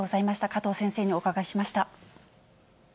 加藤先生にお伺いしました。